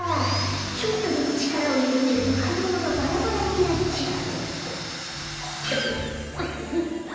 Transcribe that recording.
ちょっとでもちからをゆるめるとかいものがバラバラになっちゃう。